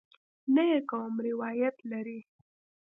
نه یې کوم روایت لرې.